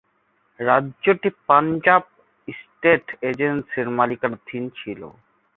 রাজ্যটি পাঞ্জাব স্টেট এজেন্সির মালিকানাধীন ছিল।